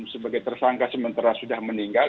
sebagai tersangka sementara sudah meninggal